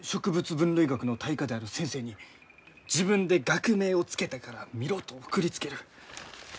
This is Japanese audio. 分類学の大家である先生に「自分で学名を付けたから見ろ」と送りつける。